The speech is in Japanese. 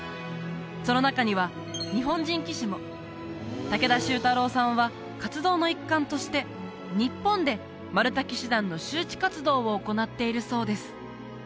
その中には日本人騎士も武田秀太郎さんは活動の一環として日本でマルタ騎士団の周知活動を行っているそうです